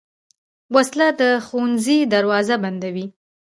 وسله د ښوونځي دروازې بندوي